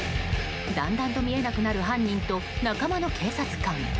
だんだんと見えなくなる犯人と仲間の警察官。